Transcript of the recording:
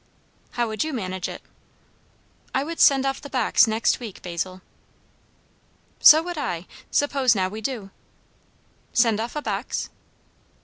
"How would you manage it?" "I would send off the box next week, Basil." "So would I. Suppose now we do?" "Send off a box?"